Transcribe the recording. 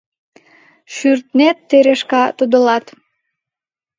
— Шӱртнет, Терешка, — тодылат...